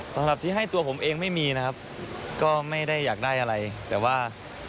สำหรับที่ให้ตัวผมเองไม่มีนะครับก็ไม่ได้อยากได้อะไรแต่ว่า